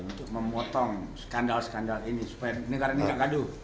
untuk memotong skandal skandal ini supaya negara ini gak gaduh